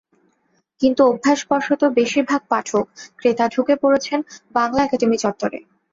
কিন্তু অভ্যাসবশত বেশির ভাগ পাঠক, ক্রেতা ঢুকে পড়ছেন বাংলা একাডেমি চত্বরে।